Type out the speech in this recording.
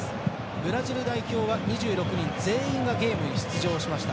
ブラジル代表は２６人全員がゲームに出場しました。